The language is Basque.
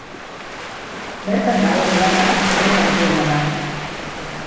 Bertan dagoen Lata herri handiena da.